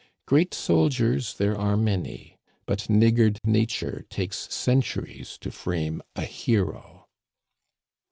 Great soldiers there are many ; but niggard Nature takes centuries to frame a hero.